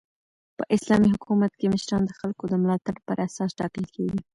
په اسلامي حکومت کښي مشران د خلکو د ملاتړ پر اساس ټاکل کیږي.